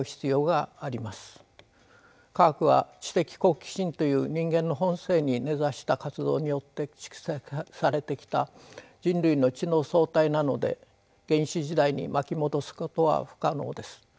科学は知的好奇心という人間の本性に根ざした活動によって蓄積されてきた人類の知の総体なので原始時代に巻き戻すことは不可能です。